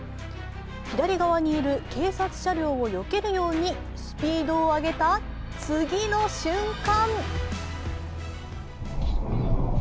左側にいる警察車両をよけるようにスピードを上げた次の瞬間